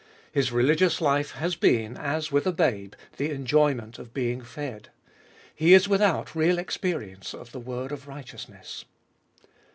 His religious life has been, as with a babe, the enjoyment of being fed. He is without real ex perience of the word of righteousness.